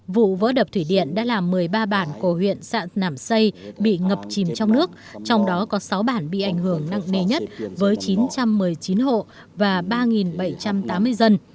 vụ vỡ đập thủy điện đã làm một mươi ba bản của huyện sạn nảm xây bị ngập chìm trong nước trong đó có sáu bản bị ảnh hưởng nặng nề nhất với chín trăm một mươi chín hộ và ba bảy trăm tám mươi dân